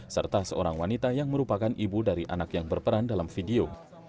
serta seorang wanita yang merupakan ibu dari anak yang berperan dalam video